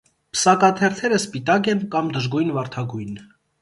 Պսակաթերթերը սպիտակ են, կամ դժգույն վարդագույն։